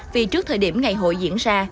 vì trước thời điểm ngày hội diễn ra